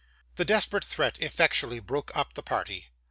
This desperate threat effectually broke up the party.